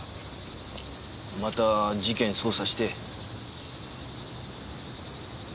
また事件捜査して。